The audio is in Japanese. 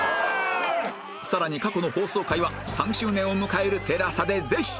更に過去の放送回は３周年を迎える ＴＥＬＡＳＡ でぜひ！